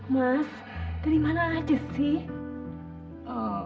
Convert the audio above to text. mas dari mana aja sih